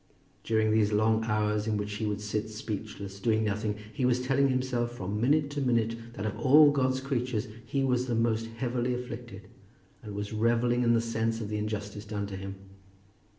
During these long hours, in which he would sit speechless, doing nothing, he was telling himself from minute to minute that of all God's creatures he was the most heavily afflicted, and was revelling in the sense of the injustice done to him.